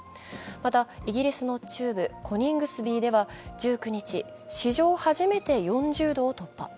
またイギリスの中部コニングスビーでは１９日、史上初めて４０度を突破。